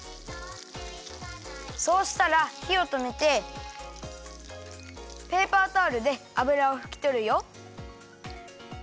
そうしたらひをとめてペーパータオルで油をふきとるよ。